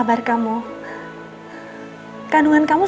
selamat ulang tahun